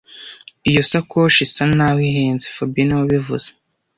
Iyo sakoshi isa naho ihenze fabien niwe wabivuze